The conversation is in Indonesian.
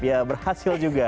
ya berhasil juga